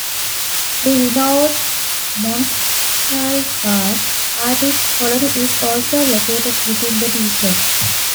The renowned Montsalvat artists' colony is also located within the Division.